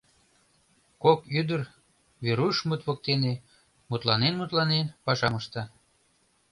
Кок ӱдыр Верушмыт воктене, мутланен-мутланен, пашам ышта.